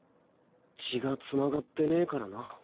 血が繋がってねえからな。